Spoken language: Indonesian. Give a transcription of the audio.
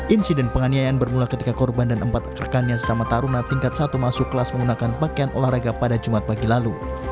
insiden penganiayaan bermula ketika korban dan empat rekannya sesama taruna tingkat satu masuk kelas menggunakan pakaian olahraga pada jumat pagi lalu